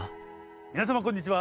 皆様こんにちは。